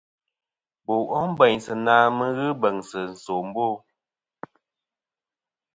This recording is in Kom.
Bò wom bèynsɨ na mɨ n-ghɨ bèŋsɨ̀ nsòmbo.